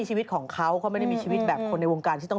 ให้คุณถามให้แล้วนะครับ